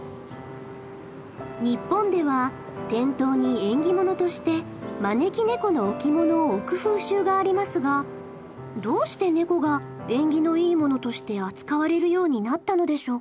日本では店頭に縁起物として招き猫の置物を置く風習がありますがどうして猫が縁起のいいものとして扱われるようになったのでしょうか？